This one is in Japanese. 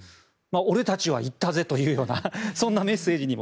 俺たちは行ったぜというようなそんなメッセージにも